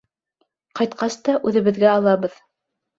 Ҡайтҡас та үҙебеҙгә алабыҙ.